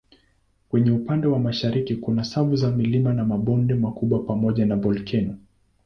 Kwenye upande wa mashariki kuna safu za milima na mabonde makubwa pamoja na volkeno.